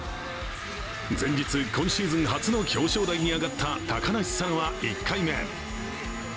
前日、今シーズン初の表彰台に上がった高梨沙羅は１回目。